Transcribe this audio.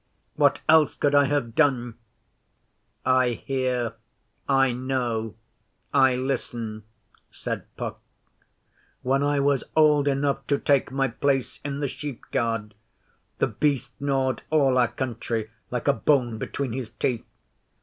What else could I have done?' 'I hear. I know. I listen,' said Puck. 'When I was old enough to take my place in the Sheepguard, The Beast gnawed all our country like a bone between his teeth.